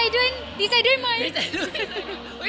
ดีใจด้วยมั้ย